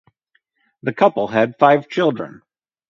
The couple had five children.